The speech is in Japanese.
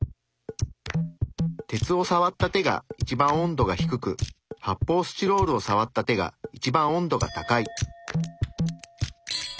鉄をさわった手が一番温度が低く発泡スチロールをさわった手が一番温度が高い。